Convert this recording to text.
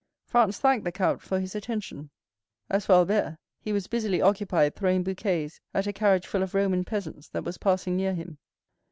Franz thanked the count for his attention. As for Albert, he was busily occupied throwing bouquets at a carriage full of Roman peasants that was passing near him.